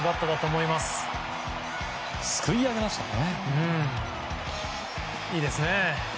いいですね。